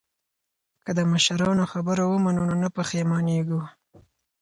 که د مشرانو خبره ومنو نو نه پښیمانیږو.